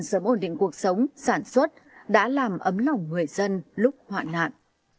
sớm ổn định cuộc sống sản xuất đã làm ấm lỏng người dân lúc hoạn nạn